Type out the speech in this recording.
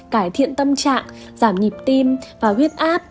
cải thiện tâm trạng giảm nhịp tim và huyết áp